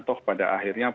toh pada akhirnya